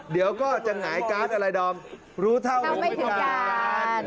เดี๋ยวก็จะหายการ์ดอะไรเนาะรู้เท่าสุดไม่ถึงการ